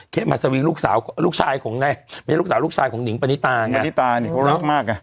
มัสวีลูกสาวลูกชายของนายลูกสาวลูกชายของหิงปณิตาไงนิตานี่เขารักมากไง